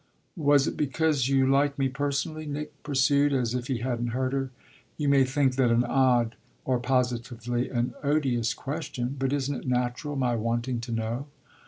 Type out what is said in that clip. "Was it because you like me personally?" Nick pursued as if he hadn't heard her. "You may think that an odd or positively an odious question; but isn't it natural, my wanting to know?"